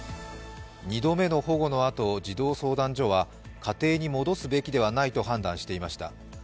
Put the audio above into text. ２度目の保護のあと児童相談所は家庭に戻すべきではないと判断していました。